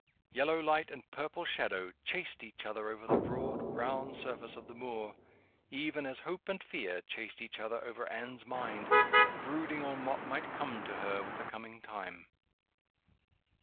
Yellow light and purple shadow chased each other over the broad brown surface of the moor even as hope and fear chased each other over Anne's mind, brooding on what might come to her with the coming time.